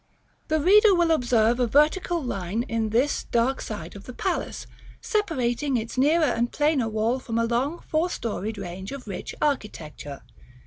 The reader will observe a vertical line in this dark side of the palace, separating its nearer and plainer wall from a long four storied range of rich architecture.